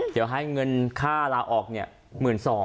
เดี๋ยวให้เงินค่าลาออก๑๒๐๐